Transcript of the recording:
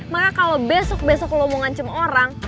makanya kalo besok besok lo mau ngancem orang